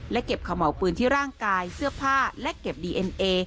เก็บขม่าวปืนที่ร่างกายเสื้อผ้าและเก็บดีเอ็นเอ